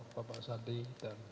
bapak sadri dan